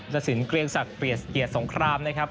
รสินเกลียงศักดิ์เกียรติสงครามนะครับ